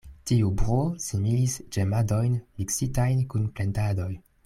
Tiu bruo similis ĝemadojn miksitajn kun plendadoj.